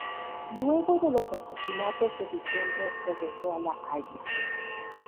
Luego de los Asesinatos de Diciembre regresó a La Haya.